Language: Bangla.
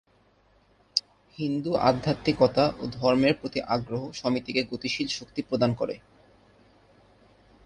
হিন্দু আধ্যাত্মিকতা ও ধর্মের প্রতি আগ্রহ সমিতিকে গতিশীল শক্তি প্রদান করে।